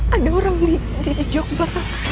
ada orang di jomblo